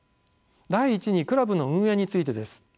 第一にクラブの運営についてです。